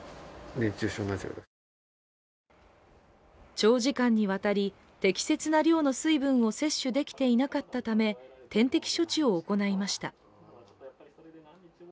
長時間にわたり、適切な量の水分を摂取できていなかったため点滴処置を行いました。